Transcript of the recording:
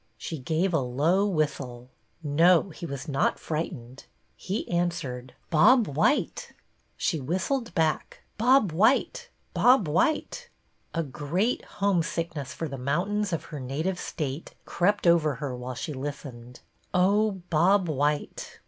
She gave a low whistle. No, he was not frightened. He answered, ''Bob white!" She whistled back. " Bob white. Bob white !" A great homesickness for the mountains of her native State crept over her while she listened. Oh, Bob white!